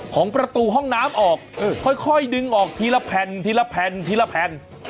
ของประตูห้องน้ำออกค่อยดึงออกทีละแผ่นทีละแผ่นทีละแผ่น